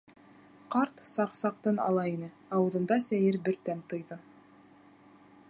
Ҡарт саҡ-саҡ тын ала ине, ауыҙында сәйер бер тәм тойҙо.